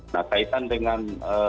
nah kaitan dengan